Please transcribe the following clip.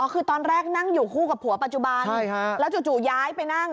คือตอนแรกนั่งอยู่คู่กับผัวปัจจุบันแล้วจู่ย้ายไปนั่ง